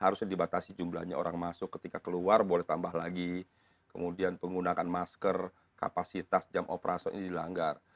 harusnya dibatasi jumlahnya orang masuk ketika keluar boleh tambah lagi kemudian penggunaan masker kapasitas jam operasional ini dilanggar